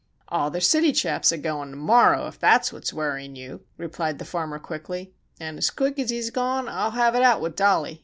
"Oh, ther city chap's a goin' ter morrer ef thet's what's worryin' yew," replied the farmer, quickly. "An' as quick's he's gone, I'll hev it out with Dolly.